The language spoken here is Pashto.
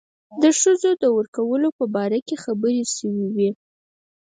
د ښځو د ورکولو په باره کې خبرې شوې وې.